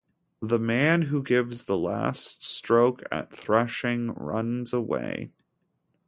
The man who gives the last stroke at threshing runs away.